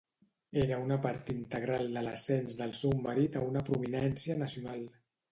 Era una part integral de l'ascens del seu marit a una prominència nacional.